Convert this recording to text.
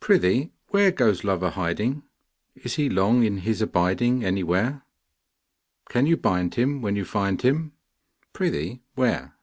Prithee where, Goes Love a hiding? Is he long in his abiding Anywhere? Can you bind him when you find him; Prithee, where?